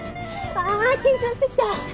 あ緊張してきた。